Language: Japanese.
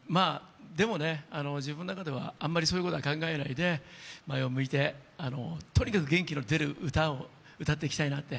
でも自分の中ではあまりそういうことは考えずに前を向いて、とにかく元気の出る歌を歌っていきたいなって。